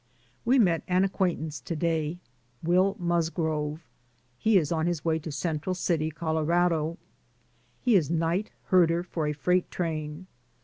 We met an acquaintance to day — Will Musgrove — he is on his way to Central City, Colorado. He is night herder for a freight train.